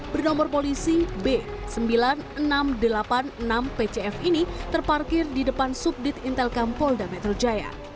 bernomor polisi b sembilan ribu enam ratus delapan puluh enam pcf ini terparkir di depan subdit intelkam polda metro jaya